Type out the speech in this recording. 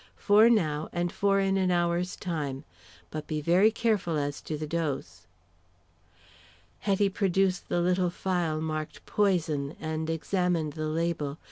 Four now, and four in an hour's time. But be very careful as to the dose." Hetty produced the little phial marked "poison," and examined the label.